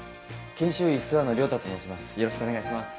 研修医諏訪野良太と申します